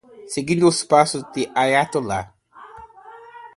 Seguindo os passos do Aiatolá